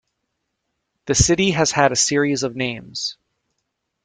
The city has had a series of names.